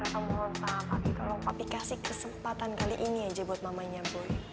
kata mau ngejelasin sama papi tolong papi kasih kesempatan kali ini aja buat mamanya boy